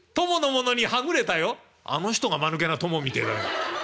「あの人がまぬけな供みてえだね。